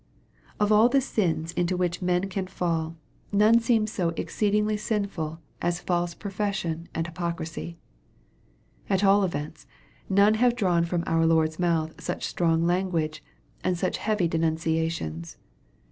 Of all the sins into which men can fall, none seem so 268 EXPOSITORY THOUGHTS. exceedingly sinful as false profession and hypocrisy. A.t all events, none have drawn from our Lord's mouth such strong language, and such heavy denunciations.